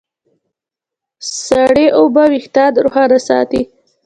سړې اوبه وېښتيان روښانه ساتي.